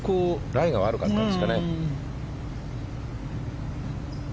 ライが悪かったですかね。